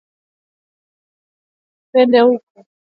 Bya ku landana tena atubi pende uku